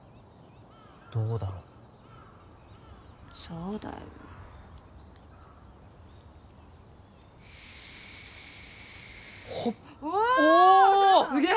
どうだろそうだよほっおすげえ！